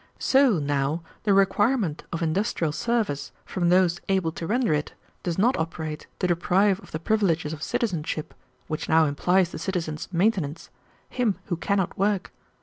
So, now, the requirement of industrial service from those able to render it does not operate to deprive of the privileges of citizenship, which now implies the citizen's maintenance, him who cannot work.